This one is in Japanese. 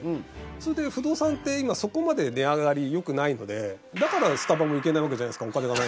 それで不動産って今そこまで値上がり良くないのでだからスタバも行けないわけじゃないですかお金がないから。